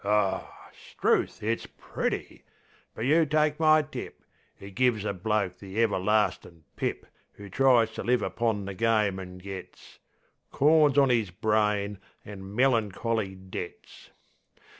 Aw, 'Struth! it's pretty; but you take my tip, It gives a bloke the everlastin' pip 'Oo tries to live upon the game and gets. ... Corns on 'is brain an' melancholy debts!